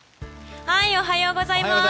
おはようございます。